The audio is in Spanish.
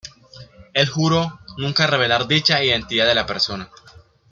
Él juró nunca revelar dicha identidad de la persona.